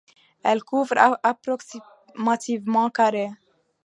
Elle couvre approximativement carrés.